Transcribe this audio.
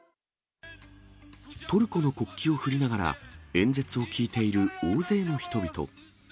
トルコの国旗を振りながら、演説を聞いている大勢の人々。